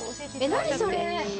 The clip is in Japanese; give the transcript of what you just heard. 何それ。